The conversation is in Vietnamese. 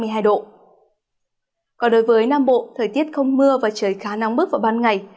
với khu vực các tỉnh vùng cao tây nguyên hiện thời tiết không mưa và trời khá nóng bức vào ban ngày